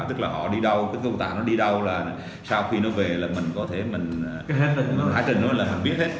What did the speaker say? tức là họ đi đâu cái công tàu nó đi đâu là sau khi nó về là mình có thể mình hành trình nó là mình biết hết